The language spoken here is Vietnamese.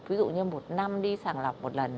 ví dụ như một năm đi sàng lọc một lần